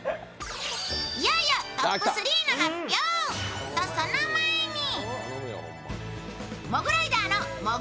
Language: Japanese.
いよいよトップ３の発表とその前に。